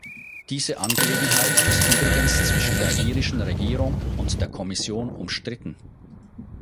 Diese Angelegenheit ist übrigens zwischen der irischen Regierung und der Kommission umstritten.